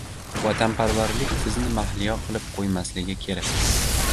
Vatanparvarlik bizni mahliyo qilib qo‘ymasligi kerak;